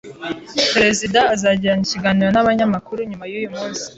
Perezida azagirana ikiganiro n’abanyamakuru nyuma yuyu munsi.